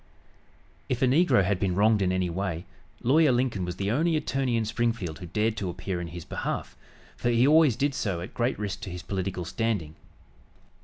If a negro had been wronged in any way, Lawyer Lincoln was the only attorney in Springfield who dared to appear in his behalf, for he always did so at great risk to his political standing.